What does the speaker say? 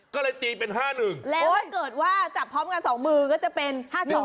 ก็เลยตีเป็น๕๑แล้วถ้าเกิดว่าจับพร้อมกัน๒มือก็จะเป็น๕๒